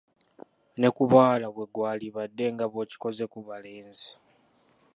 Ne ku bawala bwe gwalibadde nga bw'okikoze ku balenzi!